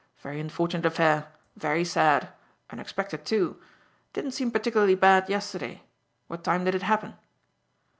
Very unfortunate affair. Very sad. Unexpected, too. Didn't seem particularly bad yesterday. What time did it happen?"